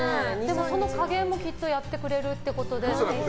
その加減もきっとやってくれるってことで。